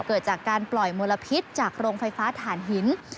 เกิดจากการปล่อยมลพิษจากโรงไฟฟ้าฐานหิน